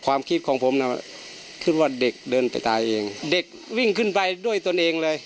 ความคิดของผมน่ะคิดว่าเด็กเดินไปตายเองเด็กวิ่งขึ้นไปด้วยตนเองเลย